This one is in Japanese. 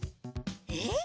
えっ？